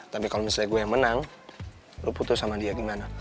tapi kalau misalnya gue yang menang lo putus sama dia gimana